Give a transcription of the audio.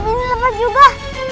akhirnya kali gini lepas juga